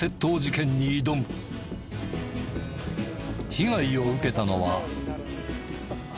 被害を受けたのは。